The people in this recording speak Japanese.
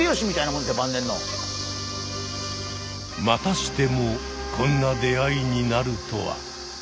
またしてもこんな出会いになるとは。